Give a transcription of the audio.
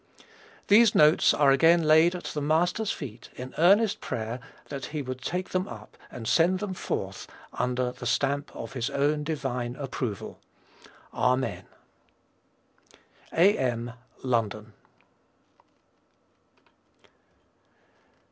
These "Notes" are again laid at the Master's feet in earnest prayer that he would take them up and send them forth under the stamp of his own divine approval. Amen. A.M. _London.